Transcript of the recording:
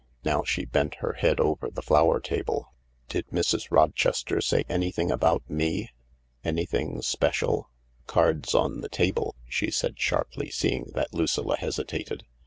Now she bent her head over the flower table. " Did Mrs. Rochester say anything about me? Anything special ? Cards on the table I " she said sharply, seeing that Lucilla hesitated.